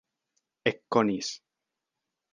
ekkonis